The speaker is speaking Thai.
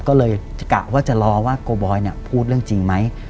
ก็เลยกะว่าจะรอว่าโกบอยพูดเรื่องจริงไหม